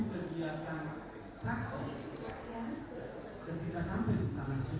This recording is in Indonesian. berlanjut dengan perjalanan ke istana bu